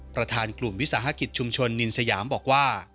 ประธานกลุ่มวิสาหกิจชุมชนนินสยามบอกว่า